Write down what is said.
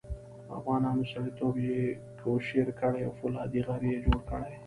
د افغانانو سړیتوب یې کوشیر کړی او فولادي غر یې جوړ کړی.